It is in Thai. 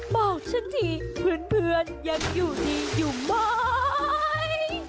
บอกฉันทีเพื่อนยังอยู่ดีอยู่ไหม